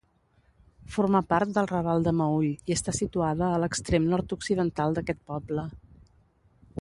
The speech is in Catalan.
Forma part del raval del Meüll, i està situada a l'extrem nord-occidental d'aquest poble.